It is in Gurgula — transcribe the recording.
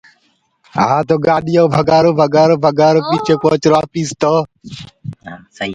گآڏيو ڪو ڀگآرو بگآرو ڀگآرو پڇي پهنٚچرونٚ آپيٚس تو